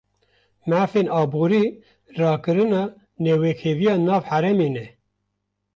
Mafên aborî, rakirina newekheviya nav herêman e